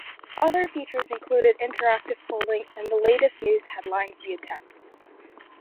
Other features included interactive polling and the latest news headlines via text.